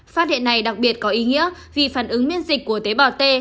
phát hiện này đặc biệt có ý nghĩa vì phản ứng miễn dịch của tế bào t